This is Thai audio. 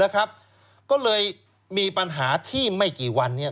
ก็เลยมีปัญหาที่ไม่กี่วันเนี่ย